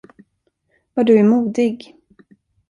Vad du är modig!